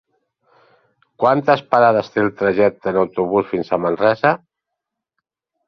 Quantes parades té el trajecte en autobús fins a Manresa?